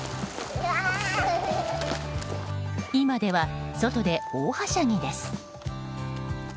今では外で大はしゃぎです。